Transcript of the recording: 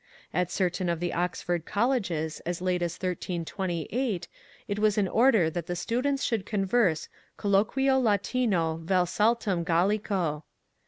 At certain of the Oxford Colleges as late as 1328 it was an order that the students should converse colloqiiio latino vel saltern gallico.